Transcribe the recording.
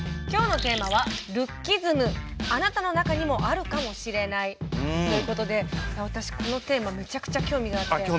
今日のテーマは「ルッキズムあなたの中にもあるかもしれない」ということで私このテーマめちゃくちゃ興味があって。